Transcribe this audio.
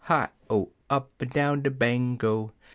Hi O! Up'n down de Bango!)